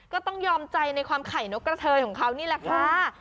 ก็ต้องยอมใจในความไข่นกกระเทยของเขานี่แหละค่ะ